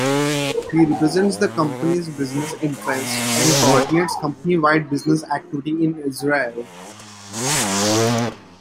He represents the company's business interests and coordinates company-wide business activities in Israel.